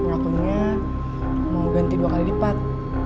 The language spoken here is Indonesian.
waktunya mau ganti dua kali lipat